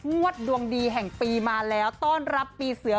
ดวงดีแห่งปีมาแล้วต้อนรับปีเสือ